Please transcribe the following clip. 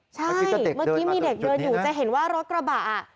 ใช่เมื่อกี้มีเด็กเดินอยู่จะเห็นว่ารถกระบะ